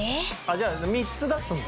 じゃあ３つ出すんだ。